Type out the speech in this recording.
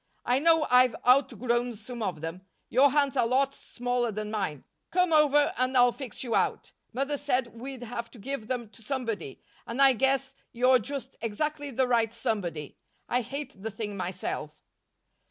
I know I've outgrown some of them. Your hands are lots smaller than mine. Come over and I'll fix you out Mother said we'd have to give them to somebody and I guess you're just exactly the right somebody. I hate the thing myself."